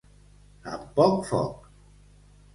Amb poc foc.